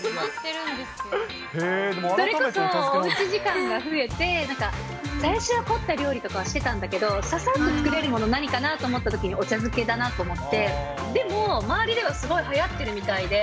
それこそおうち時間が増えて、最初は凝った料理とかしてたんだけど、ささっと作れるもの何かなって思ったときに、お茶漬けだなと思って、でも、周りではすごいはやってるみたいで。